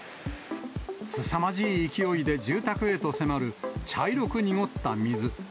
すさまじい勢いで住宅へと迫る、茶色く濁った水。